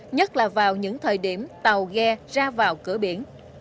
nhất là vào những thời điểm tàu ghe ra vào cửa biển